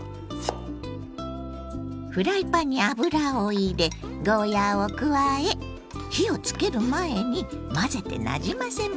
フライパンに油を入れゴーヤーを加え火をつける前に混ぜてなじませます。